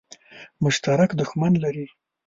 مشترک دښمن لري.